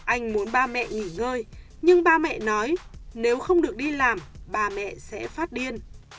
anh muốn ba mẹ nghỉ ngơi nhưng ba mẹ nói nếu không được đi làm bà mẹ sẽ phát điên